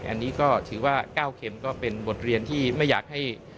อันนี้ก็ถือว่า๙เข็มก็เป็นบทเรียนที่ไม่อยากให้